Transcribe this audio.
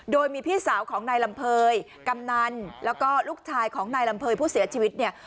โดยมีพี่สาวของนายลำเภยกำนันแล้วก็ลูกชายของนายลำเภยผู้เสียชีวิตเนี่ย